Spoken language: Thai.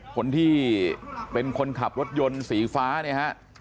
คนที่เป็นคนขับรถยนต์สีฟ้าเนี่ยฮะ